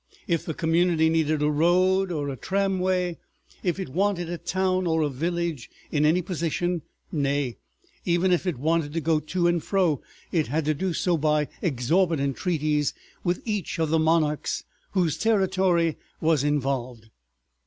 If the community needed a road or a tramway, if it wanted a town or a village in any position, nay, even if it wanted to go to and fro, it had to do so by exorbitant treaties with each of the monarchs whose territory was involved.